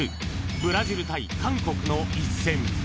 ブラジル対韓国の一戦